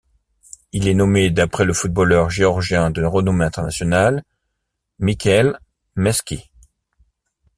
Il est nommé d'après le footballeur géorgien de renommée internationale Mikheil Meskhi.